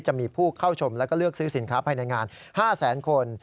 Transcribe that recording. จะมีผู้เข้าชมแล้วก็เลือกซื้อสินค้าภายในงาน๕แสนคน